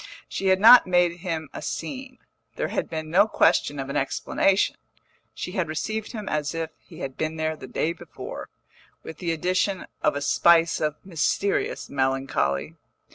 She had not made him a scene, there had been no question of an explanation; she had received him as if he had been there the day before, with the addition of a spice of mysterious melancholy.